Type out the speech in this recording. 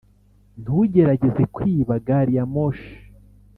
ntugerageze kwiba gari ya moshi.